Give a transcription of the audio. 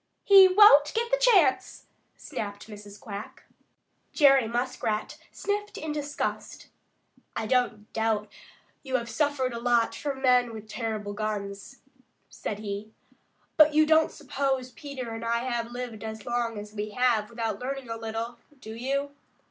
"He won't get the chance!" snapped Mrs. Quack. Jerry Muskrat sniffed in disgust. "I don't doubt you have suffered a lot from men with terrible guns," said he, "but you don't suppose Peter and I have lived as long as we have without learning a little, do you?